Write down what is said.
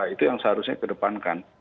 itu yang seharusnya kedepankan